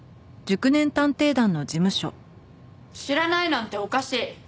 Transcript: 知らないなんておかしい！